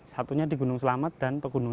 satunya di gunung selamat dan pegunungan